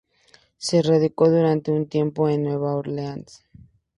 Se radicó durante un tiempo en Nueva Orleans.